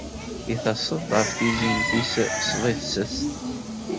I taseḍ-d ɣef tizi n tis sḍiset?